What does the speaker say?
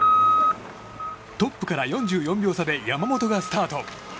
トップから４４秒差で山本がスタート。